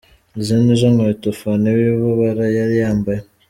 Izi nizo nkweto Phanny Wibabara yari yambaye.